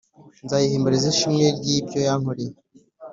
Nzayihimbarisha ishimwe ry ibyo yankoreye